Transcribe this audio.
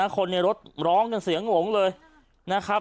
คนในรถร้องกันเสียงหลงเลยนะครับ